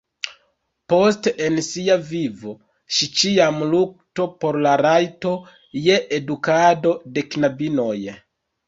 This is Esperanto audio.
Poste en sia vivo ŝi ĉiam lukto por la rajto je edukado de knabinoj.